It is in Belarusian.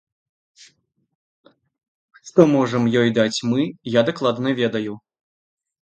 Што можам ёй даць мы, я дакладна ведаю.